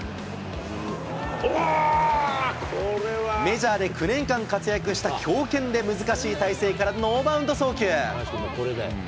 メジャーで９年間活躍した強肩で、難しい体勢からノーバウンド送球。